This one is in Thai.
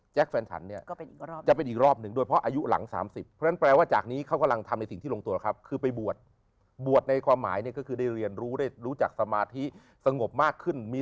จากนี้อาจที่มีนี้ราติศนูยังไม่ให้กับคนเกิดราศิษฐนูยังนี้